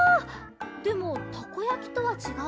でもたこやきとはちがうの？